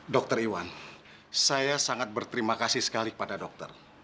dr iwan saya sangat berterima kasih sekali kepada dokter